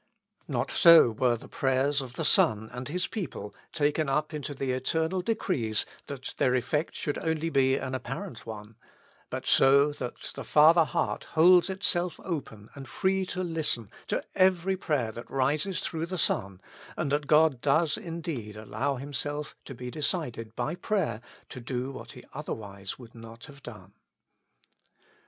Not so were the prayers of the Son and His people taken up into the eternal decrees that their effect should only be an apparent one; but so, that the Father heart holds itself open and free to listen to every prayer that rises through the Son, and that God does indeed allow Himself to be decided by prayer to do what He otherwise would not have done.